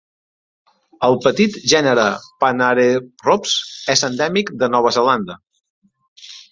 El petit gènere "paranephrops" és endèmic de Nova Zelanda.